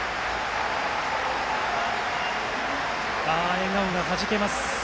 笑顔がはじけます。